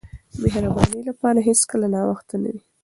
د مهربانۍ لپاره هیڅکله ناوخته نه وي.